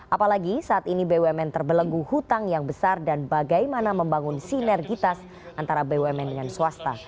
apalagi saat ini bumn terbelenggu hutang yang besar dan bagaimana membangun sinergitas antara bumn dengan swasta